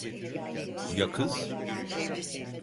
Ya kız?